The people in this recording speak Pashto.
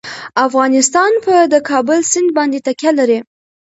افغانستان په د کابل سیند باندې تکیه لري.